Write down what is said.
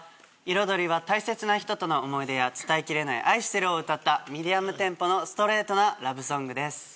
『彩り』は大切な人との思い出や伝えきれない愛してるを歌ったミディアムテンポのストレートなラブソングです。